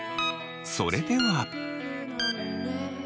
それでは。